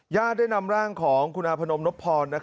ได้นำร่างของคุณอาพนมนพพร